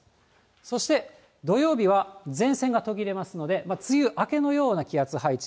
そして土曜日は前線が途切れますので、梅雨明けのような気圧配置。